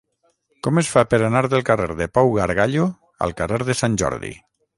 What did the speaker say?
Com es fa per anar del carrer de Pau Gargallo al carrer de Sant Jordi?